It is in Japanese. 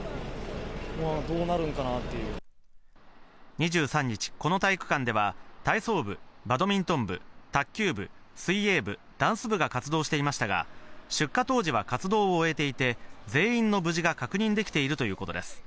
２３日、この体育館では体操部、バドミントン部、卓球部、水泳部、ダンス部が活動していましたが、出火当時は活動を終えていて、全員の無事が確認できているということです。